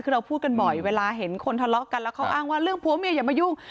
คือเราพูดกันบ่อยเวลาเห็นคนทะเลาะกันแล้วเขาอ้างว่าเรื่องผัวเมียอย่ามายุ่ง